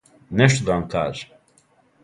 Нешто да вам кажем.